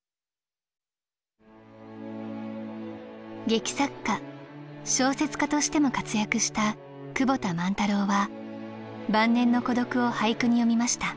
劇作家小説家としても活躍した久保田万太郎は晩年の孤独を俳句に詠みました。